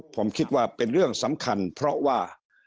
ผมคิดว่าเป็นเรื่องสำคัญเพราะว่า